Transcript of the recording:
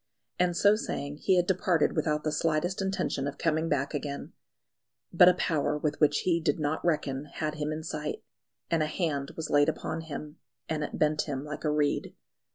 And so saying he had departed without the slightest intention of coming back again. But a Power with which he did not reckon had him in sight; and a Hand was laid upon him, and it bent him like a reed.